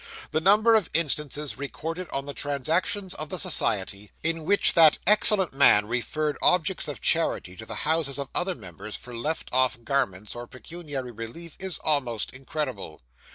The number of instances recorded on the Transactions of the Society, in which that excellent man referred objects of charity to the houses of other members for left off garments or pecuniary relief is almost incredible.